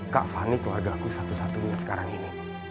kak fanny keluarga ku satu satunya sekarang ini